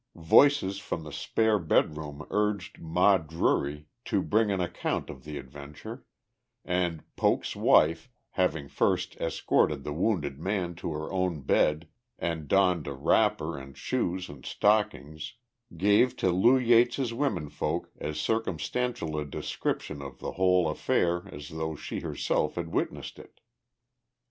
Voices from the spare bed room urged Ma Drury to bring an account of the adventure, and Poke's wife, having first escorted the wounded man to her own bed and donned a wrapper and shoes and stockings, gave to Lew Yates's women folk as circumstantial a description of the whole affair as though she herself had witnessed it.